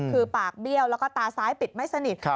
คือปากเบี้ยวแล้วก็ตาซ้ายปิดไม่สนิท